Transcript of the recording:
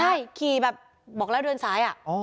ใช่ขี่แบบบอกแล้วเดินซ้าย